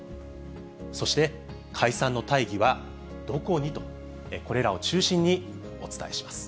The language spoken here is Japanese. そして解散の大義はどこに？と、これらを中心にお伝えします。